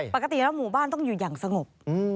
ปกติแล้วหมู่บ้านต้องอยู่อย่างสงบ